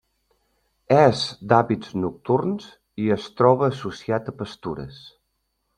És d'hàbits nocturns i es troba associat a pastures.